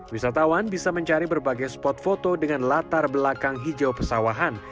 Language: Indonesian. wisatawan bisa mencari berbagai spot foto dengan latar belakang hijau pesawahan